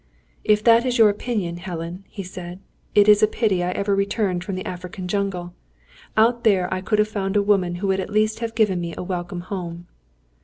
"If that is your opinion, Helen," he said, "it is a pity I ever returned from the African jungle. Out there I could have found a woman who would at least have given me a welcome home."